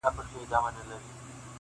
نه ورکيږي هيڅکله-